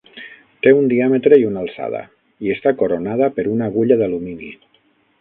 Té un diàmetre i una alçada, i està coronada per una agulla d'alumini.